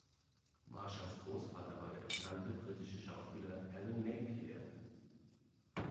Marshalls Großvater war der bekannte britische Schauspieler Alan Napier.